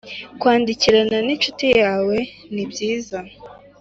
Kwandikirana n incuti yawe ni byiza